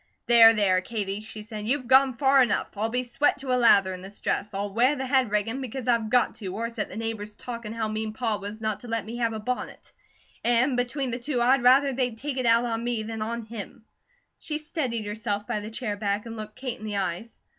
"There, there, Katie!" she said. "You've gone far enough. I'll be sweat to a lather in this dress; I'll wear the head riggin', because I've go to, or set the neighbours talkin' how mean Pa was not to let me have a bonnet; and between the two I'd rather they'd take it out on me than on him." She steadied herself by the chair back and looked Kate in the eyes.